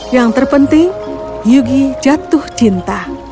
yang terpenting yugi jatuh cinta